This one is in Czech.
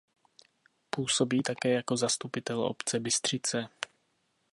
Působí také jako zastupitel obce Bystřice.